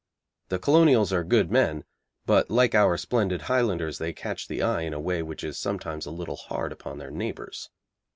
The Colonials are good men, but like our splendid Highlanders they catch the eye in a way which is sometimes a little hard upon their neighbours.